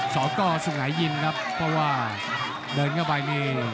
สกสุงหายินครับเพราะว่าเดินเข้าไปนี่